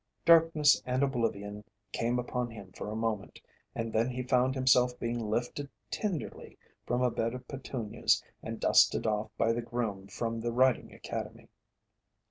Darkness and oblivion came upon him for a moment, and then he found himself being lifted tenderly from a bed of petunias and dusted off by the groom from the Riding Academy.